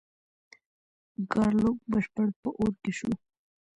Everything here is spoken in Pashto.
ګارلوک بشپړ په اور کې شو.